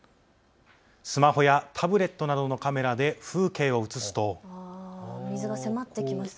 スマホやタブレットなどのカメラで風景を写すと。